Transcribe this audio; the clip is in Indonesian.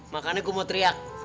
makanya gue mau teriak